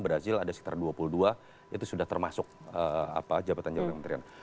brazil ada sekitar dua puluh dua itu sudah termasuk jabatan jabatan kementerian